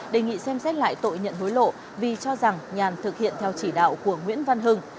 đề nghị xem xét lại tội nhận hối lộ vì cho rằng nhàn thực hiện theo chỉ đạo của nguyễn văn hưng